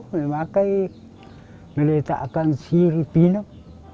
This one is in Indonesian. mereka tak akan siri pinam